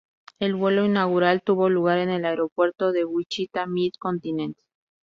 El vuelo inaugural tuvo lugar en el aeropuerto de Wichita Mid-Continent.